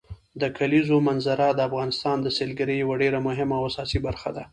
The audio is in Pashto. د کلیزو منظره د افغانستان د سیلګرۍ یوه ډېره مهمه او اساسي برخه ده.